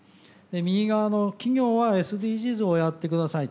右側の企業はＳＤＧｓをやってください。